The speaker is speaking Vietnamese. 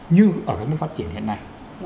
như ở các nước phát triển hiện nay